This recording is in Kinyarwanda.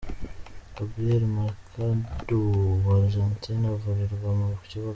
Gabriel Mercado wa Argentina avurirwa mu kibuga .